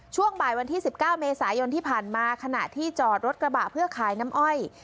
ช่วงบ่ายวันที่๑๙เมษายนที่ผ่านมาขณะที่จอดรถกระบะเพื่อขายน้ำอ้อย